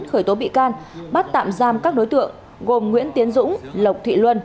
khởi tố bị can bắt tạm giam các đối tượng gồm nguyễn tiến dũng lộc thị luân